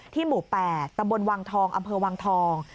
หมู่๘ตำบลวังทองอำเภอวังทอง